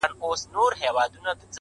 هدف لرونکی ژوند ارزښت لري،